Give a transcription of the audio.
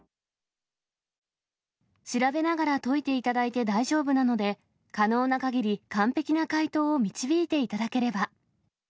調べながら解いていただいて大丈夫なので、可能なかぎり完璧な解答を導いていただければ。